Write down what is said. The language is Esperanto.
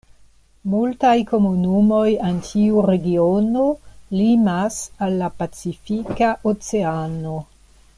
Multaj komunumoj en tiu regiono limas al la pacifika oceano.